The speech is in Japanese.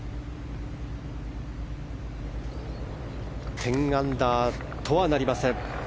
１０アンダーとはなりません。